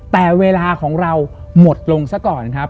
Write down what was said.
แต่เวลาของเราหมดลงซะก่อนครับ